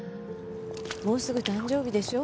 もうすぐ誕生日でしょ？